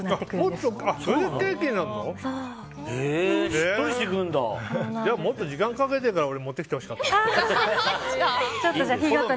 じゃあもっと時間かけてから持ってきてほしかった。